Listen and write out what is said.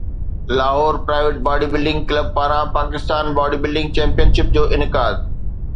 Lahore private body building club پاران Pakistan body building championship جو انعقاد